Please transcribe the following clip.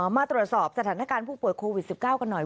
มาตรวจสอบสถานการณ์ผู้ป่วยโควิด๑๙กันหน่อย